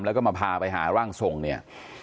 แล้วก็มาพาไปหาร่างทรงเนี่ย